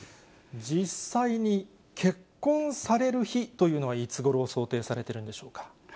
実際に結婚される日というのは、いつごろを想定されているんでしょうか。